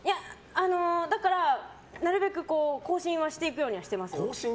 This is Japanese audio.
だから、なるべく更新はしていくようにはしてますよ。